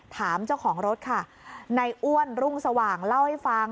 ถามเจ้าของรถค่ะในอ้วนรุ่งสว่างเล่าให้ฟัง